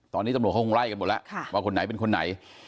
ตอนนี้ตำรวจเขาคงไล่กันหมดแล้วว่าคนไหนเป็นคนไหน